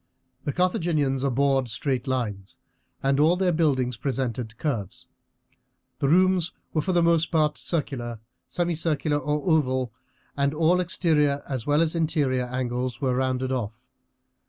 The Carthaginians abhorred straight lines, and all their buildings presented curves. The rooms were for the most part circular, semicircular, or oval, and all exterior as well as interior angles were rounded off.